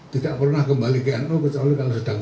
tidak pernah kembali ke nu kecuali kalau sedang